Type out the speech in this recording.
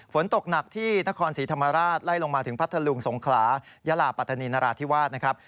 ฝนตกหนักที่นครศรีธรรมราชไล่ลงมาถึงพัทธลุงสงขลายลาปัตตานีนราธิวาสนะครับ